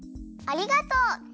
ありがとう！